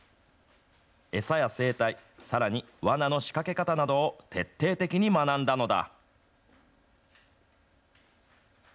餌や生態、さらに、わなの仕掛け方などを徹底的に学んだのだ。